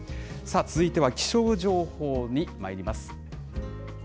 続いては気象情報にまいります。